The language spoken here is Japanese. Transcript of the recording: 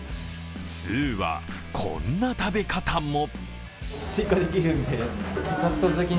通は、こんな食べ方も。